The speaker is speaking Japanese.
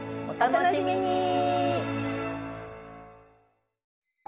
お楽しみに！